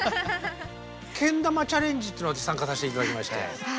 けん玉チャレンジというの私参加させて頂きまして。